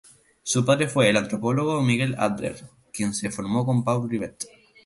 Su padre fue el antropólogo Miguel Adler, quien se formó con Paul Rivet.